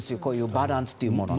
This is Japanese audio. バランスというものが。